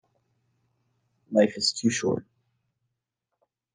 Life is too short.